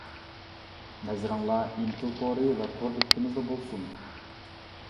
نەزىرىڭلار ئىنتىل تورى ۋە تور بېكىتىمىزدە بولسۇن.